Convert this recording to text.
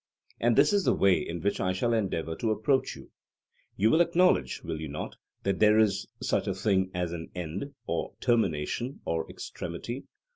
And this is the way in which I shall endeavour to approach you. You will acknowledge, will you not, that there is such a thing as an end, or termination, or extremity?